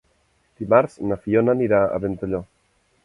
Dimarts na Fiona anirà a Ventalló.